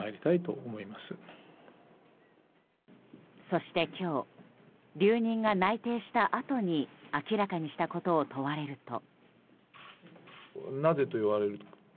そして今日留任が内定したあとに明らかにしたことを問われると。